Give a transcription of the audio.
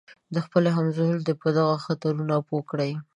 خپل همزولي دې په دغو خطرونو پوه کړي.